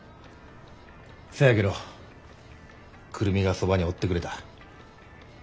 そやけど久留美がそばにおってくれた。